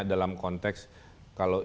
dalam konteks kalau